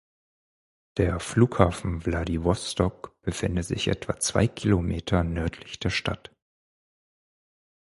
Der Flughafen Wladiwostok befindet sich etwa zwei Kilometer nördlich der Stadt.